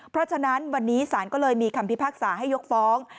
เพราะฉะนั้นวันนี้ศาลก็เลยมีคำพิพากษาให้ยกฟ้อง